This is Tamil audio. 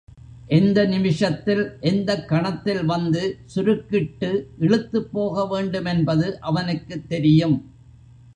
எந்த நிமிஷத்தில், எந்தக் கணத்தில் வந்து சுருக்கிட்டு இழுத்துப் போக வேண்டுமென்பது அவனுக்குத் தெரியும்.